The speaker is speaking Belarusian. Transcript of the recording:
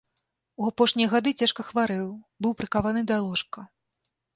У апошнія гады цяжка хварэў, быў прыкаваны да ложка.